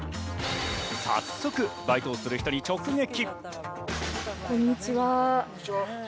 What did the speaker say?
早速バイトをする人に直撃。